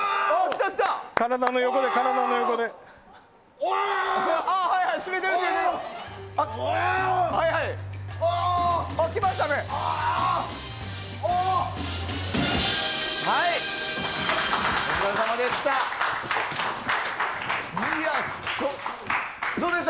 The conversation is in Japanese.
お疲れさまでした。